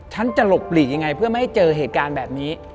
ฉันจะหลบหลีกยังไงเพื่อไม่ให้เจอเหตุการณ์แบบนี้